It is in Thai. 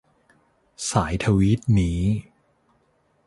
สายทวีตนี้